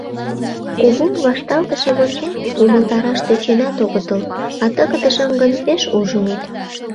Кугу вашталтышым ончен умылтараш тӧченат огытыл, а тыгыдыжым гын пеш ужыныт.